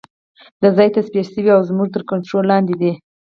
دا ځای تصفیه شوی او زموږ تر کنترول لاندې دی